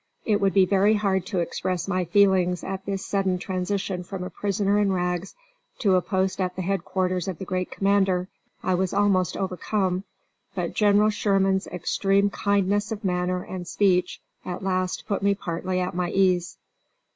It would be very hard to express my feelings at this sudden transition from a prisoner in rags to a post at the headquarters of the great commander. I was almost overcome, but General Sherman's extreme kindness of manner and speech at last put me partly at my ease.